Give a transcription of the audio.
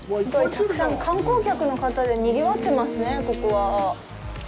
たくさん観光客の方でにぎわってますね、ここは。